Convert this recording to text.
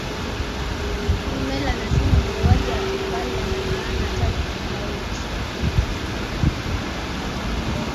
rummel anasema mauaji ya kimbari yana maana tatu tofauti